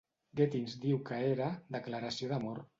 Gittings diu que era "declaració d'amor".